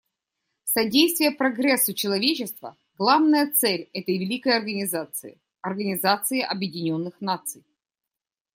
Содействие прогрессу человечества — главная цель этой великой организации, Организации Объединенных Наций.